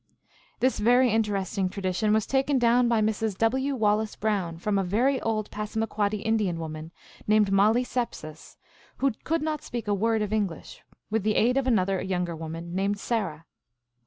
This very interesting tradition was taken down by Mrs. W. Wallace Brown from a very old Passama quoddy Indian woman named Molly Sepsis, who could not speak a word of English, with the aid of another younger woman named Sarah.